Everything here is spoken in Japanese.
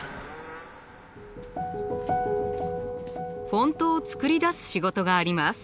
フォントを作り出す仕事があります。